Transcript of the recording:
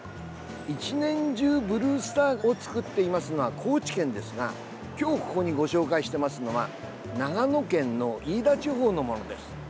一年中、ブルースターを作っていますのは高知県ですが今日、紹介していますのは長野県の飯田地方のものです。